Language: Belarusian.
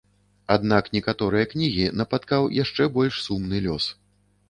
Аднак некаторыя кнігі напаткаў яшчэ больш сумны лёс.